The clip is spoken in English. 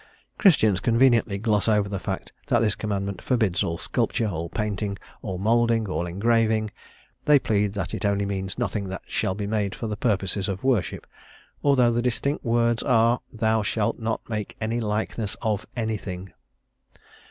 Christians conveniently gloss over the fact that this commandment forbids all sculpture, all painting, all moulding, all engraving; they plead that it only means nothing that shall be made for purposes of worship, although the distinct words are: "_Thou shalt not make any likeness of anything.